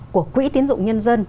của quỹ tín dụng nhân dân